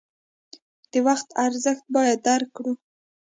د وخت ارزښت باید درک کړو.